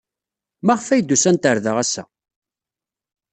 Maɣef ay d-usant ɣer da ass-a?